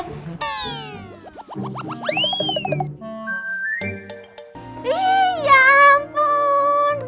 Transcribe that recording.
ih ya ampun